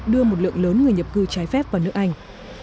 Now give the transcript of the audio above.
đưa một lượng lớn người nhập cư trái phép vào nước anh